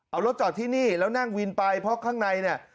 เอารถจอดที่นี่แล้วนั่งวินไปเพราะข้างในเนี่ย